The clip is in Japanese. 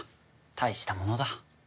大したものだ。